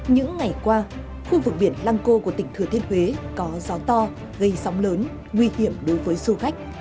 những ngày qua khu vực biển lăng cô của tỉnh thừa thiên huế có gió to gây sóng lớn nguy hiểm đối với du khách